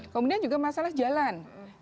kemudian juga masalah jalan